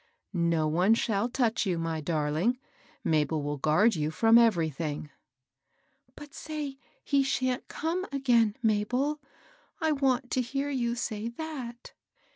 "" No one shall touch you, my darling. Mabel will guard you from everything." ^' But say he shan't come again, Mabel. I want to hear you say that.